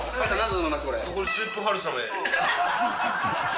これスープ春雨。